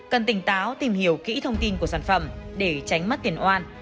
cần tỉnh táo tìm hiểu kỹ thông tin của sản phẩm để tránh mất tiền oan